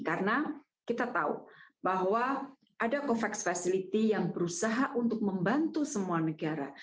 karena kita tahu bahwa ada covax facility yang berusaha untuk membantu semua negara